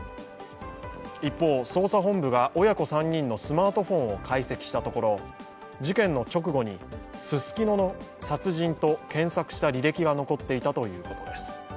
一方、捜査本部が親子３人のスマートフォンを解析したところ、事件の直後に「すすきの殺人」と検索した履歴が残っていたということです。